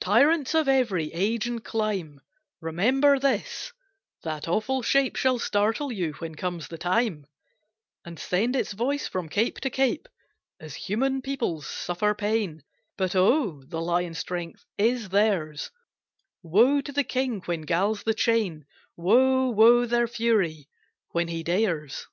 Tyrants of every age and clime Remember this, that awful shape Shall startle you when comes the time, And send its voice from cape to cape. As human, peoples suffer pain, But oh, the lion strength is theirs, Woe to the king when galls the chain! Woe, woe, their fury when he dares!